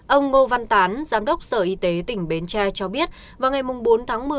ông ngô văn tán giám đốc sở y tế tỉnh bến tre cho biết vào ngày bốn tháng một mươi